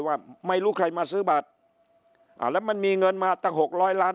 ว่าไม่รู้ใครมาซื้อบัตรอ่าแล้วมันมีเงินมาตั้งหกร้อยล้าน